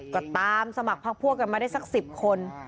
ก็ตามสมัครพักพวกกันมาได้สัก๑๐คน